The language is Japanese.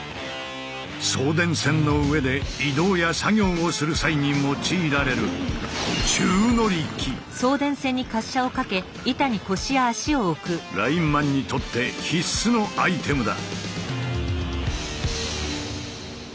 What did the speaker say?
送電線の上で移動や作業をする際に用いられるラインマンにとって必須のアイテムだ。